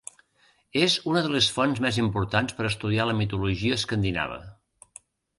És una de les fonts més importants per a estudiar la mitologia escandinava.